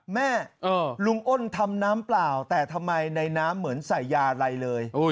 แม่ลุงอ้นทำน้ำเปล่าแต่ทำไมในน้ำเหมือนใส่ยาอะไรเลย